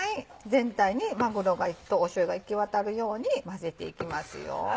全体にまぐろとしょうゆが行き渡るように混ぜていきます。